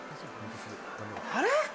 あれ。